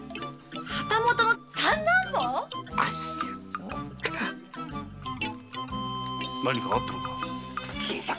旗本の三男坊⁉何かあったのか？